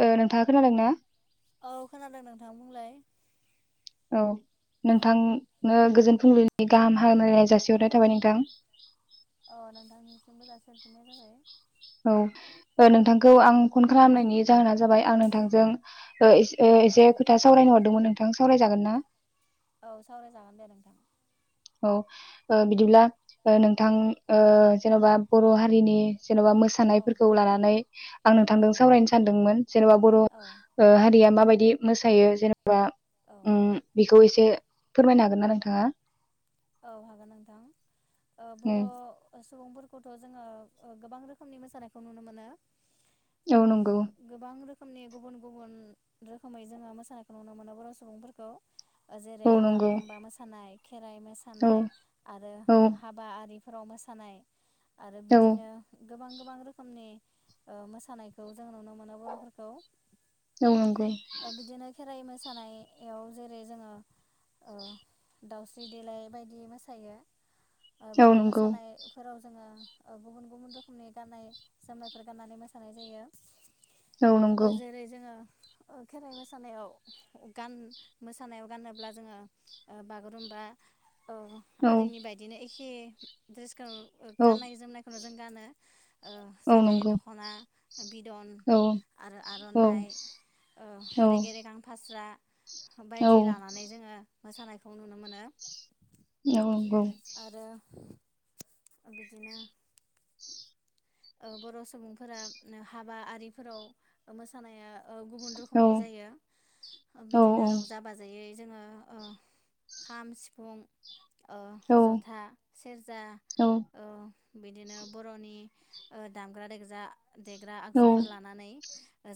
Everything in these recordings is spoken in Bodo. ओ नोंथाङा खोनादों ना? औ खोनादों नोंथां बुंलाय औ नोंथांनो गोजोन फुंबिलिनि गाहाम हामलायनाय जासिहरनाय थाबाय नोंथां अ नोंथांनिसिमबो जासि हरफिननाय जाबाय। औ ओ नोंथांखौ आं फन खालामनायनि जाहोना जाबाय आं नोंथांजों ओ एस ओ औ एसे खोथा सावरायनो हरदोंमोन नोंथां। नोंथां सावरायजागोन ना? औ सावरायजागोन दे नोंथां। औ ओ बिदिब्ला ओ नोंथां जेन'बा बर' हारिनि जेन'बा औ मोसानायफोरखौ लानानै आं औ नोंथांदों सावरायनो सानदोंमोन जेन'बा बर' औ ओ हारिया माबायदि दि मोसायो जेन बा औ उम बेखौ एसे एसे फोरमायनो हागोन ना नोंथाङा? औ हागोन नोंथां ओ उम बर' सुबुंफोरखौथ' जोङो ओ गोबां रोखोमनि मोसानायखौ नुनो मोनो। ओ औ नंगौ गोबां रो रोखोमनि गुबुन गुबुन रोखोमै जोङो मोसानायखौ नुनो मोनो बर' सुबुंफोरखौ। औ जेरै नंगौ बागुरुम्बा मोसानाय। खेराइ मो औ थानाय आरो औ हाबा आरि फोराव मोसानाय। आरो औ बिदिनो गोबां गोबां रोखोमनि ओ मोसानायखौ जों नुनो मोनो बर'फोरखौ औ नंगौ ओ बिदिनो खेराइ मोस मोसानायाव जेरै जोङो ओ दाउस्रि देलाइ बेबायदि मोसायो ओ औ बैफोर नंगौ मोसानायफोराव जोङो ओ गुबुन गुबुन रोखोमनि गाननाय जोमनायफोर गान्नानै मोसानाय जायो। औ ओ नंगौ जेरै जोङो ओ खेराइ मोसानायाव गान मोसानायाव गाननोब्ला जोङो ओ बागुरुमबा औ औ आरिनि बायदिनो एखे खे द्रेस खौ औ गाननाय जोमनायखौनो जों गानो। ओ औ जेरै नंगौ दख'ना बिदन औ आरो औ आर'नाइ औ ओ रेगे रेगां फास्रा बायदि औ लानानै जोङो। मोसानायखौ नुनो मोनो औ आरो बिदिनो ओ बर' सुबुंफोरा हाबा आरिफोराव मोसानाया ओ गुबुन औ रोखोमनि जायो औ बिदिनो रंजा बाजायै जोङो ओ खाम सिफुं ओ जथा सेरजा ओ बिदिनो बर'नि ओ दामग्रा देगजा देग्रा आगजुफोर लानानै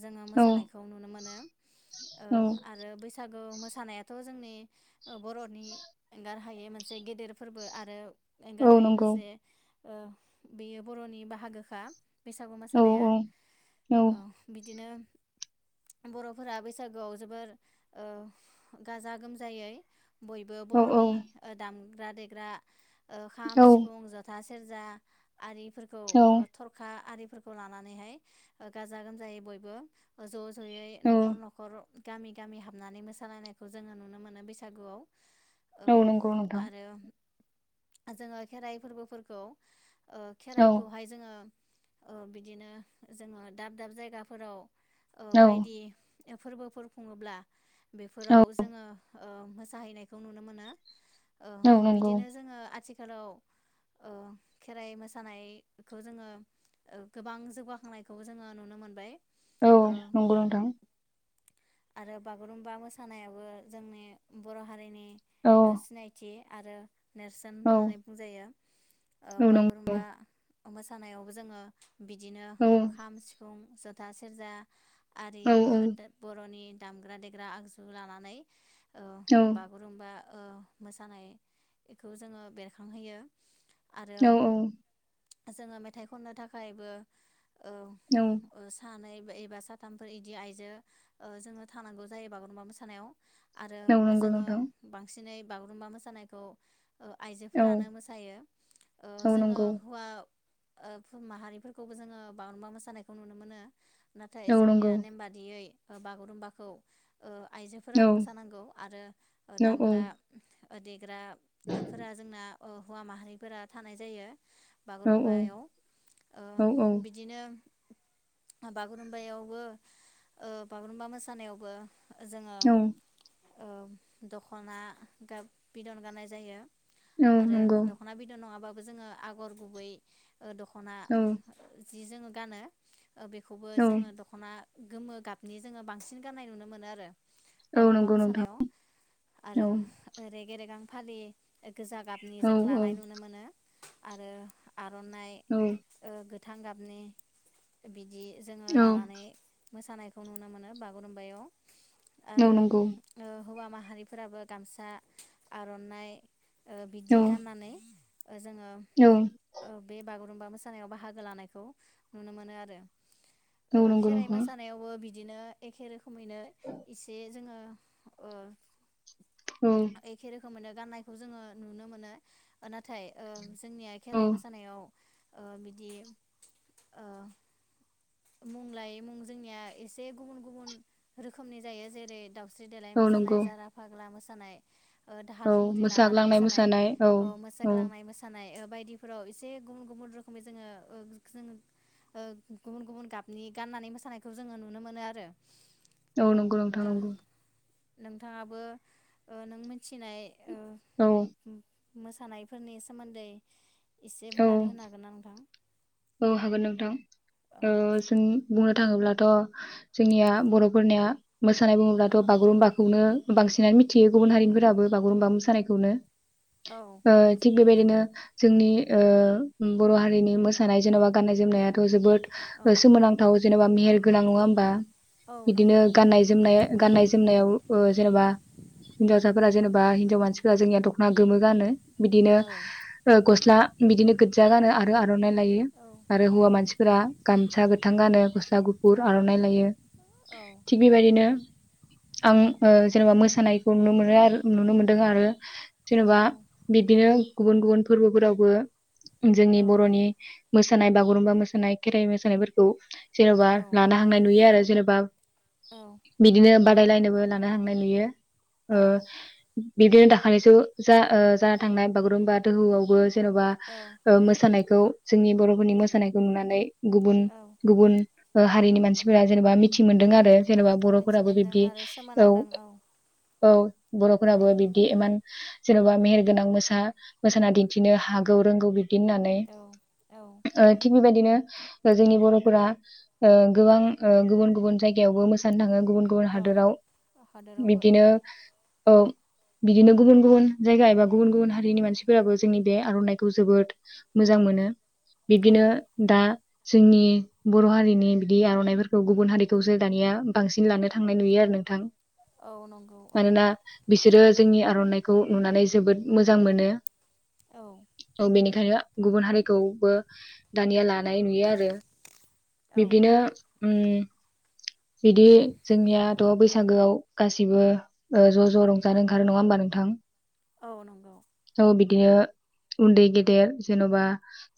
जोङो औ मोसानायखौ नुनो मोनो। ओ आरो बैसा गु मोसानायाथ' जोंनि ओ बर'नि एंगारहायै मोनसे गेदेर फोरबो आरो औ नंगौ औ एंगारहायै मोनसे ओ बेयो बर'नि बाहागो खा बैसागु मोसानाया ओ बिदिनो बर'फोरा बैसागुआव जोबोर ओ गाजा गोमजायै बयबो बर'नि ओ दाम ग्रा देग्रा ओ खाम सिफुं जथा सेरजा आरिफोरखौ खा आरिफोरखौ लानानैहाय ओ गाजा गोमजायै बयबो ओ ज' जयै औ न'खर न'खर गामि गामि हाबनानै मोसालायनायखौ जोङो नुनो मोनो बैसागुआव औ नंगौ नोंथां आरो जोङो खेराइ फोरबोफोरखौ ओ औ खेराइखौहाय जोङो बिदिनो जोङो दाब दाब जायगाफोराव ओ औ बायदि फोरबोफोर खुङोब्ला औ बेफोराव जोङो ओ मोसाहैनायखौ नुनो मोनो। औ औ नंगौ बिदिनो जोङो आथि खालाव खेराइ ओ मोसानायखौ जोङो ओ गोबां जौगाखांनायखौ जोङो नुनो मोनबाय। औ ओ नंगौ नोंथां। आरो बागुरुमबा मोसानायाबो जोंनि बर' हारिनि औ ओ सिनायथि आरो नेरसोन औ होननानै बुंजायो। ओ औ नंगौ बागुरुमबा मोसानायावबो जोङो बिदिनो औ ओ खाम सिफुं ज था सेरजा आरि औ ओ दामग्रा देग्रा आगजु लानानै ओ बागुरुमबा ओ मोसानाय बेखौ जोङो बेरखांहोयो। आरो औ औ। जोङो मेथाइ खननो थाखायबो औ औ ओ सानै एबा साथामफोर बिदि आइजो ओ जोङो थानांगौ जायो बागुरुमबा मोसानायाव। आरो औ नंगौ जोङो नोंथां बांसिनै बागुरुम्बा मोसानायखौ औ आइजोफोरानो मोसायो ओ औ जोङो नंगौ हौवा ओ [unintelligible] माहारिफोरखौबो जोङो बागुरुम्बा मोसानायखौ नुनो मोनो। नाथाय औ जोंनिया नंगौ नेम बादियै बागुरुम्बाखौ औ आइजोफोरानो मोसानांगौ आरो ओ औ दामग्रा एदेग्रा फोर जोंना हौवा माहारिफोरा थानाय जायो। औ बागुरुमबायाव ओ औ औ बिदिनो बागुरुमबायावबो ओ बागुरुमबा मोसानायावबो जोङो औ ओ दख'ना बिदन गाननाय जायो। औ आरो नंगौ दख'ना बिद'न नङाबा जोङो आगर गुबै ओ दख'ना औ जि जोङो गानो। ओ बेखौबो औ जोङो दख'ना गोमो गाब नि जोङो बांसिन गाननाय नुनो मोनो आरो। औ बागुरुम्बा नंगौ नोंथां मोसानायाव औ आरो रेगे-रेगां फालि ओ। गोजा गाबनि औ जों लानाय नुनो मोनो। आरो आर'नाइ औ ओ गो गोथां गाबनि बिद बिदि जोङो लानानै मोसानाय खौ नुनो मोनो बागुरुम्बायाव। औ आरो नंगौ ओ हौवा माहा माहारिफोराबो गामसा, आर'नाइ बिदि औ गाननानै ओ जोङो औ ओ बे बागुर खागुरुम्बा मोसानायाव बाहागो लानायखौ नुनो मोनो आरो। औ ओ नंगौ खेराइ नोंथां मोसानायावबो बिद बिदिनो एखे रोखोमैनो एसे जोङो ओ औ। खौ मोनो गाननायखौ जोङो नुनो मोनो नाथाय ओ जोंनिया औ खेराइ मोसानायाव ओ बिदि ओ मुं लायै मुं जोंनिया एस से गुबुन गुबुन रोखोमनि जायो जेरै दाव स्रि देलाय औ नंगौ मोसानाय, जाारा फाग्ला मोस सानाय ओ औ दाहाल थुंग्रि लानानै मोसाग्लांनाय मोसानाय, औ अ औ मोसाग्लांनाय मोसानाय। बायदिफोराव एसे गुबुन गुबुन रोखोमै जोङो ओ जों ओ गुबुन गुबुन गाबनि गाननानै मोसानायखौ जोङो नु नो मोनो आरो। औ नंगौ नोंथां ओ नंगौ। नोंथाङाबो ओ नों मिथिनाय ओ औ मोसानायफोरनि सोमोन्दै एसे औ बुंनानै होनो हागोन ना नोंथां? औ हागोन नोंथां। औ ओ बुंनो थाङोब्लाथ' जोंनिया बर'फोरनिया मोसानाय बुङोब्लाथ' औ बागुरुम्बाखौनो बांसिनानो मिथियो गुबुन हारिनिफोराबो बागुरुम्बा मोसानायखौनो। औ ओ थिग मिथि बेबायदिनो जोंनि ओ बर' हारिनि मो सानाय जेन'बा गाननाय जोमनायाथ' जोबोद औ सोमोनांथाव जेनबा मेेहेर गोनां नङा होमबा। औ बिदिनो नंगौ गाननाय-जोमनाय गाननाय-जोमनायाव ओ जेनेबा हिनजावसाफोरा जेनेबा हिनजाव मानसि फोरा जोंनिया दख'ना गोमो गानो। बिदिनो औ ओ गस्ला बिदिनो गोजजा गानो आ रो आर'नाय लायो औ आरो हौवा औ मानसिफोरा गामसा गोथां गानो गस्ला गुफुर औ आर'नाइ लायो। थिग बेबायदिनो आं ओ जेनेबा मोसानायखौ नुनो मोनो आरो नुनो मोनदों आरो। जेनेबा बिदिनो गुबुन गुबुन फोरबोफोरावबो जोंनि औ बर'नि मोसानाय बागुरुम्बा मोसानाय खेराइ मोसानायफोरखौ जेरावबो लाना औ थांनाय नुयो आरो। जेनबा। औ बिदिनो नंगौ बादायलायनोबो लानो हांनाय नुयो। औ बिबदिनो दाखालिसो जा जाना थांनाय बागुरुम्बा दोहोआवबो जेन'बा औ मोसानाय। खौ जोंनि बर'फोरनि मोसानायखौ नुनानै गुबुन औ गुबुन ओ हारिनि मानसिफोरा जेनेबा मि मिथि मोनदों औ आरो जेनेबा मिथि बर'फोराबो मोनदों बिब्दि आरो औ सोमोनांदों औ औ बर'फोराबो बिब्दि इमान जेन'बा मेहेरगोनां मोसा मोसाना दिन्थिनो हागौ रोंगौ बि दि होननानै औ औ ओ थिं बेबायदिनो जोंनि बर'फोरा ओ गोबां ओ गुबुन गुबुन जायगायावबो मोसानो थाङो गुबुन गुबुन औ हादोराव हादोरावबो औ बिबदिनो औ बिदिनो गुबुन गुबुन जायगा एबा गुबुन गुबुन हारिनि मानसिफोराबो जोंनि बे आर'नाइखौ जोबोद मोजां मोनो औ बिबदिनो दा जोंनि बर' हारिनि बिदि आर'नाइफोरखौ गुबुन हारिखौसो दानिया बांसिन लानो थांनाय नुयो आरो नोंथां औ नंगौ औ मानोना बिसोरो जोंनि आर'नाइखौ नुनानै जोबोद मोजां मोनो औ बेनिखायनो गुबुन हारि खौबो दानिया ला लानाय नुयो आरो औ बिबदिनो उम बिदि जोंनियाथ' बैसागोआव गासिबो ओ ज' ज' औ रंजानो ओखारो नङा होमबा नोंथां औ नंगौ औ बिदिनो उन्दै गेदेर जेन'बा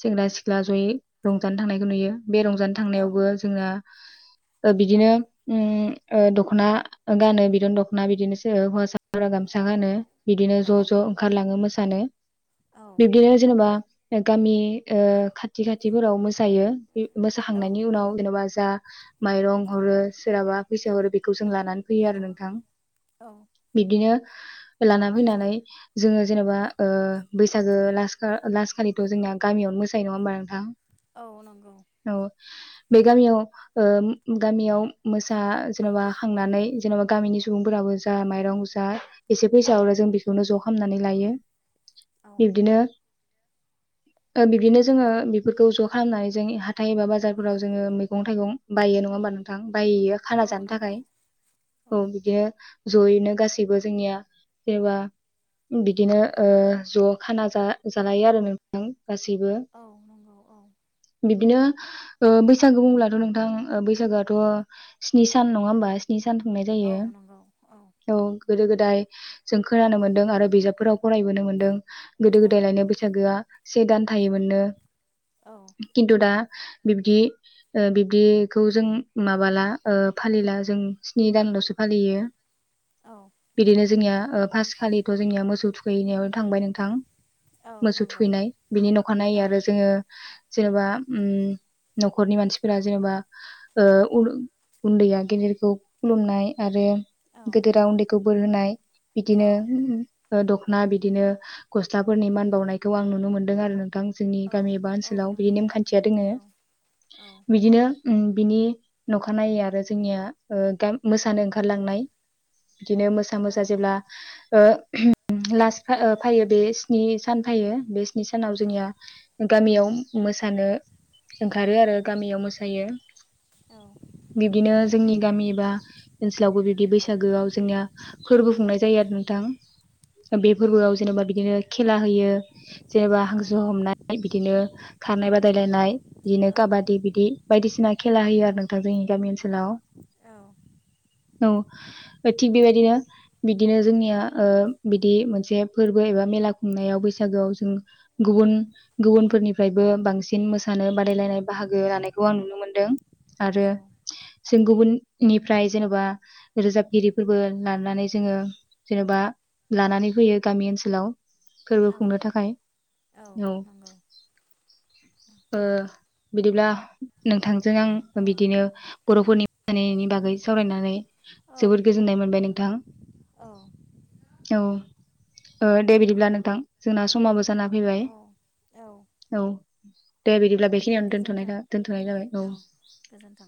सेंग्रा सिख्ला जयै रंजानो थांनायखौ नुयो बे रंजानो औ थांनायावबो जोना बिदिनो ओ दख'ना गानो बिदन दख'ना बिदिनोसो हौवासाफोरा गामसा गानो बिदिनो औ ज' ज' ओंखारला लाङो मोसानो औ बिब्दिनो जेनबा गामि ओ खाथि खाथिफोराव मोसायो बि मोसाखांनायनि उनाव जेनबा जा माइरं हरो सोरहाबा फैसा हरो बेखौ जों लानानै फैयो औ आरो नोंथां औ बिदिनो लाना फैनानै जोङो जेनबा ओ बैसागो लासखो लासखालिथ जोंना गामियावनो मोसायो नङा होमबा नोंथां औ नंगौ औ बे गामियाव ओम गामियाव मोसा जेनबा खांनानै जेनबा गामिनि सुबुंफोराबो जा माइरं जा एसे फैसा हरो जों बेखौनो ज खालामनानै लायो औ एबदिनो दा बिदिनो जोङो बेफोरखौ ज खालामनानै जों हाथाय एबा बाजारफोराव जोङो मैगं थाइगं बायो नङा होमबा नोंथां। बायैयो खाना औ जानो थाखाय नंगौ औ बिदिनो जयैनो गासैबो जोंनिया जेनेबा बिदिनो ओ ज' खाना जा-जालायो आरो नोंथां गासैबो औ नोंगौ औ दिनो ओ बैसागो बुब्लाथ नोंथां ओ बैसागोआथ स्नि सान नङा होमबा स्नि सा सानफुंनाय औ जायो नंगौ औ गोदो गोदाय जों खोनानो मोनदों आरो बिजाबफोराव फरायबोनो मोन्दों गोदो औ गोदाय लायनो बैसागोआ से दान थायोमोननो औ खिन्थु दा बिबदि ओ बिबदिखौ जों माबाला ओ फालिला जों स्नि दानलसो फालियो औ बिदिनो जोंनिया ओ फासखालि जोंनिया मोसौ थुखैनायावनो थांबाय नोंथां औ मोसौ नंगौ थुखैनाय बिनि नख नायै औ आरो जोङो जेनेबा उम नखरनि मानसिफोरा जेनेबा ओ उद-उन्दैया गेदेरखौ खुलुमनाय आरो औ गोदेरा उनदै खो बोर होनाय‌ बिदिनो औ उ ओ दखना बिदिनो गस्लाफोरनि मान बावनायखौ आं नुनो मोनदों आरो नोंथां जोंनि औ गामि बा औ ओनसोलाव बिदि नंगौ औ नेमखान्थिया दोङो औ बिदिनो उम बिनि नखानायनायै आरो जोंनिया आ गा-मोसानो ओंखारलांनाय बिदिनो मोसा औ मोसा जेब्ला ओ [inaudible] लास्ट ओ फैयो बे स्नि सान फैयो बे नि सानाव जोंनिया गामियाव मोसानो ओंखारो आरो गामियाव मोसायो बिब्दिनो जोंनि गामि बा ओनसोलावबो बिबदि बैसागोआव जोंनिया फोरबो खुंनाय जायो आरो नोंथां बे फोरबोआव जेनेबा बिदिनो खेला होयो जेनेबा हांसो हमनाय बिदिनो खारनाय बादायलायनाय बिदिनो काबादि बिदि बायदिसिना खेला होयो आरो नोंथां जोंनि गामि ओनसोलाव औ थिग बेबायदिनो बिदिनो जोंनिया ओ बिदि मोनसे फोरबो एबा मेला खुंनायाव बैसागोआव जों गुबुन गुबुनफोरनिफ्रायबो बांसिन मोसानो बादायलायनाय बाहागो लानायखौ आं नुनो मोनदों औ आरो जों गुबुन निफ्राय जेनबा रोजाबगिरिफोरबो लानानै जोङो जेनबा लानानै फैयो गामि ओनसोलाव फोरबो खुंनो थाखाय औ नंगौ ओ बिदिब्ला नोंथां जों आं औ बिदिनो बर'फोरनि [unintelligible] बागै सावरायनानै जोबोद गोजोननाय मोनबाय नों थां औ औ ओ दे बिदिब्ला नोंथां जोंना समाबो जाना फैबाय औ औ औ औ [inaudible] दे बिदिब्ला दे बेखिनियावनो दोनथ'नाय गोजोन्थों था दोनथ'नाय जाबाय औ गोजोन्थों।